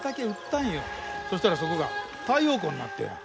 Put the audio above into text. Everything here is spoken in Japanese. そしたらそこが太陽光になったんや。